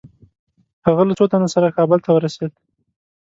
هغه له څو تنو سره کابل ته ورسېد.